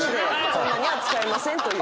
そんなんには使えませんという。